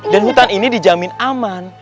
dan hutan ini dijamin aman